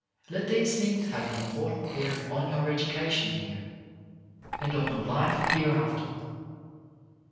Let these things have an important bearing on your education here, and on your life hereafter.